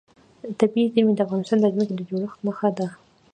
طبیعي زیرمې د افغانستان د ځمکې د جوړښت نښه ده.